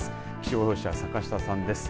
気象予報士は坂下さんです。